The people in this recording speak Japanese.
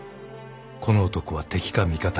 ［この男は敵か味方か。